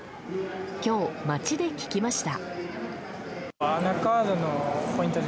今日、街で聞きました。